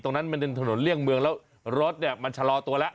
มันเป็นถนนเลี่ยงเมืองแล้วรถเนี่ยมันชะลอตัวแล้ว